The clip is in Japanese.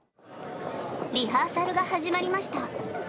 リハーサルが始まりました。